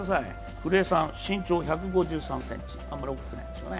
身長１５３ｃｍ、あまり大きくないですよね。